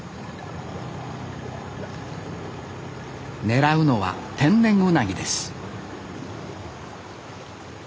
狙うのは天然ウナギです